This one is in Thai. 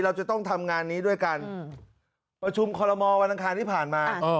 เราจะต้องทำงานนี้ด้วยกันประชุมคอลโมวันอังคารที่ผ่านมา